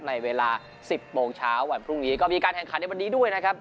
ในเวลา๑๐โมงเช้าวันพรุ่งนี้ก็มีการแข่งขันในวันนี้ด้วยนะครับ